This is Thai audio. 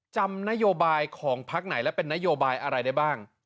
จำนโยบายของพักไหนและเป็นนโยบายอะไรได้บ้าง